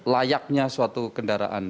layaknya suatu kendaraan